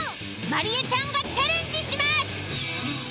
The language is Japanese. まりえちゃんがチャレンジします。